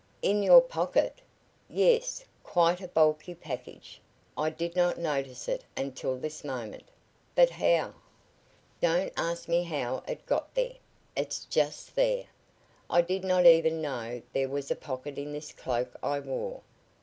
"In your pocket?" "Yes, quite a bulky package. I did not notice it until this moment." "But how " "Don't ask me how it got there. It's just there. I did not even know there was a pocket in this cloak I wore.